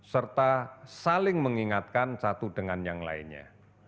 serta saling mengingatkan satu dengan yang lainnya